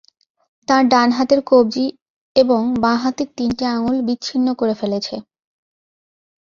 তাঁর ডান হাতের কবজি এবং বাঁ হাতের তিনটি আঙুল বিচ্ছিন্ন করে ফেলেছে।